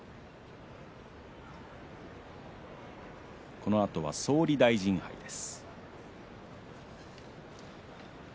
このあとは総理大臣杯です。